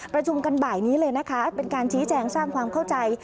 ประชุมกันบ่ายนี้เลยนะคะเป็นการชี้แจงสร้างความเข้าใจ